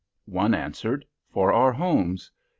One answered, "For our homes."